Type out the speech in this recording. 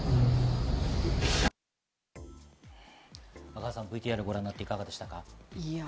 阿川さん、ＶＴＲをご覧になっていかがでしたか？